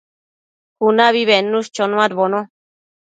cunabi bednush chonuadbono